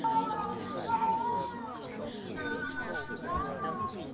黄绿薹草为莎草科薹草属的植物。